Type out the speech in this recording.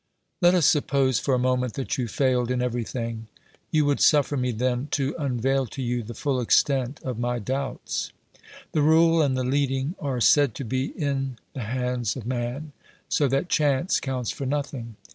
Let us suppose for a moment that you failed in everything; you would suffer me then to unveil to you the full extent of my doubts. The rule and the leading are said to be in the hands of man, so that chance counts for nothing.